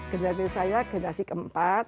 generasi saya generasi keempat